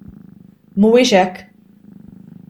Mhuwiex hekk!